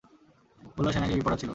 বলল, সে নাকি রিপোর্টার ছিলো।